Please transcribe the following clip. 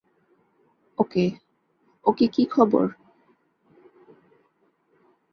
ওকে, okay কি খবর?